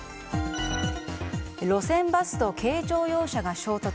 路線バスと軽乗用車が衝突。